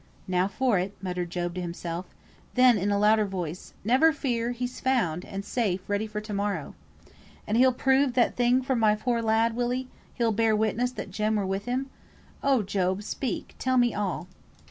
"Now for it," muttered Job to himself. Then in a louder voice, "Never fear! he's found, and safe, ready for to morrow." "And he'll prove that thing for my poor lad, will he? He'll bear witness that Jem were with him? Oh, Job, speak! tell me all!"